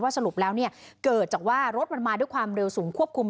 สรุปแล้วเกิดจากว่ารถมันมาด้วยความเร็วสูงควบคุม